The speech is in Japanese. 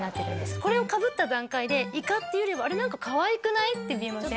これを被った段階でイカっていうよりはあれ何かかわいくない？って見えません？